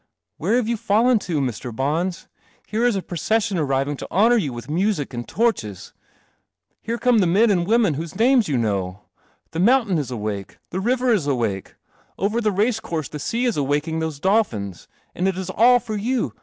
" Where have you fallen to, Mr. Bons? Here is a procession arriving to honour you with music and torches. Here come the men and women whose names you know. The mountain is awake, the river is awake, over the race course the sea is awaking those dolphins, and it is all for you.